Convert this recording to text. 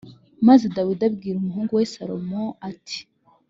maze dawidi abwira umuhungu we salomo ati